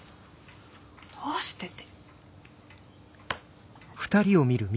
どうしてって。